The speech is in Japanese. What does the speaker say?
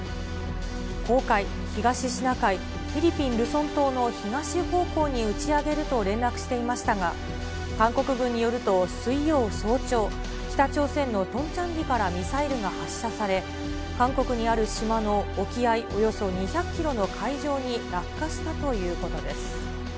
黄海、東シナ海、フィリピン・ルソン島の東方向に打ち上げると連絡していましたが、韓国軍によると、水曜早朝、北朝鮮のトンチャンリからミサイルが発射され、韓国にある島の沖合およそ２００キロの海上に落下したということです。